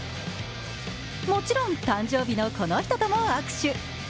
もちろん誕生日のこの人とも握手。